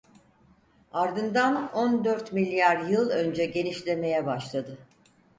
Ardından, on dört milyar yıl önce genişlemeye başladı…